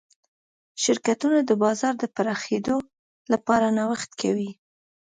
شرکتونه د بازار د پراخېدو لپاره نوښت کوي.